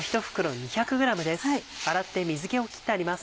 洗って水気を切ってあります。